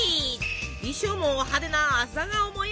衣装も派手な朝顔模様！